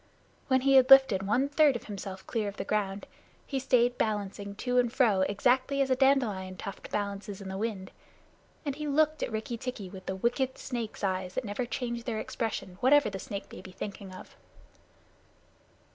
When he had lifted one third of himself clear of the ground, he stayed balancing to and fro exactly as a dandelion tuft balances in the wind, and he looked at Rikki tikki with the wicked snake's eyes that never change their expression, whatever the snake may be thinking of.